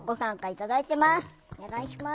お願いします。